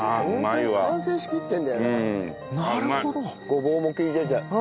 ごぼうも利いてて。